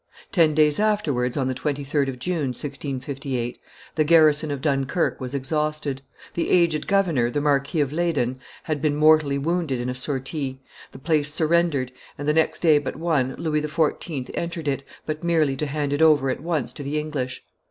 Ten days afterwards, on the 23d of June, 1658, the garrison of Dunkerque was exhausted; the aged governor, the Marquis of Leyden, had been mortally wounded in a sortie; the place surrendered, and, the next day but one, Louis XIV. entered it, but merely to hand it over at once to the English.